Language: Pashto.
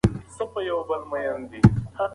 پاڼې په خپل موبایل کې وخت وکوت.